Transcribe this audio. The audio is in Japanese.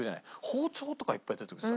包丁とかいっぱい出てくるとさ